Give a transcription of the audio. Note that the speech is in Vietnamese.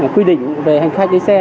quy định về hành khách đi xe